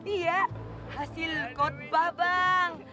iya hasil khutbah bang